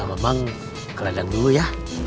emang ke ladang dulu ya